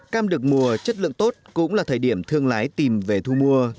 cam được mùa chất lượng tốt cũng là thời điểm thương lái tìm về thu mua